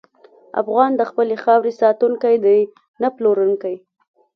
افغان د خپلې خاورې ساتونکی دی، نه پلورونکی.